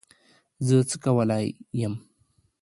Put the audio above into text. زه څه کولای یم